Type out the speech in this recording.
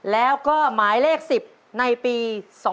แล้วก็หมายเลข๑๐ในปี๒๕๖